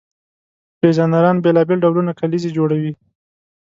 ډیزاینران بیلابیل ډولونه کلیزې جوړوي.